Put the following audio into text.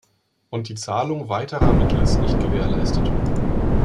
Und die Zahlung weiterer Mittel ist nicht gewährleistet.